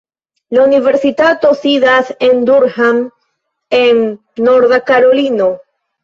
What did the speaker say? La universitato sidas en Durham en Norda Karolino.